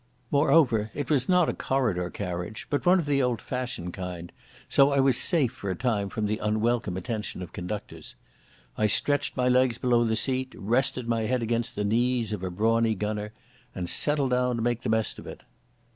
Moreover it was not a corridor carriage, but one of the old fashioned kind, so I was safe for a time from the unwelcome attention of conductors. I stretched my legs below the seat, rested my head against the knees of a brawny gunner, and settled down to make the best of it.